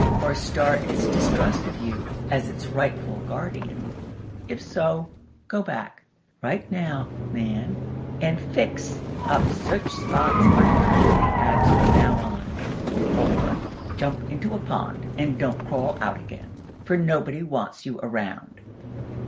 Or start its distrust of you, as its rightful guardian? If so, go back right now, man, and fix up such spots by kindly acts from now on. Or, jump into a pond, and don't crawl out again!! For nobody wants you around!"